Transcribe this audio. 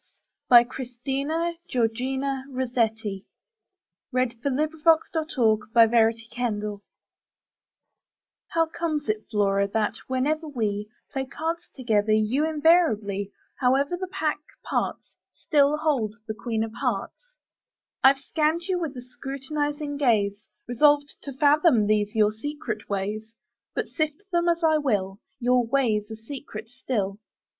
JM Embroideries & Collectibles The Queen Of Hearts By Christina Georgina Rossetti How comes it, Flora, that, whenever we Play cards together, you invariably, However the pack parts, Still hold the Queen of Hearts? I've scanned you with a scrutinizing gaze, Resolved to fathom these your secret ways: But, sift them as I will, Your ways are secret still.